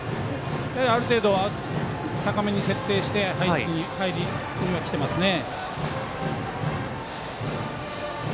ある程度、高めに設定して入ってきていますね。